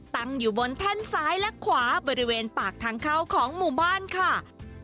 ตั้งอยู่บนแท่นซ้ายและขวาบริเวณปากทางเข้าของหมู่บ้านค่ะ